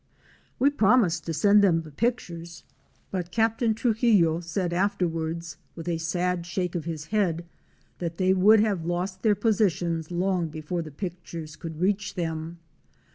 We promised to send them the pictures; but Captain Trux 76 OUR SEARCH FOR A WILDERNESS. illo said afterwards with a sad shake of his head that they would have lost their positions long before the pictures could reach them.